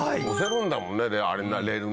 押せるんだもんね